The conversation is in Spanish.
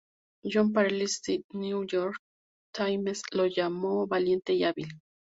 Jon Pareles de "The New York Times" lo llamó valiente y hábil.